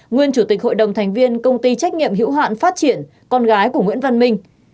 nguyên chủ tịch hội đồng thành viên công ty trách nhiệm hữu hạn phát triển con gái của nguyễn văn minh